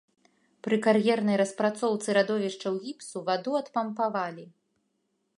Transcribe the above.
Пры кар'ернай распрацоўцы радовішчаў гіпсу ваду адпампавалі.